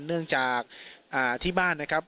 เนื่องจากที่บ้านนะครับ